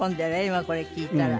今これ聞いたら。